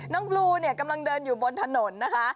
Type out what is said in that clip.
น้องบลูกำลังเดินอยู่บนถนนนะคะ